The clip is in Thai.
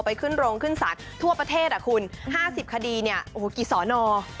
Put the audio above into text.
ขึ้นโรงขึ้นศาลทั่วประเทศอ่ะคุณ๕๐คดีเนี่ยโอ้โหกี่สอนอ